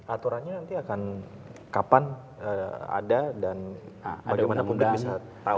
aturannya nanti akan kapan ada dan bagaimanapun bisa tahu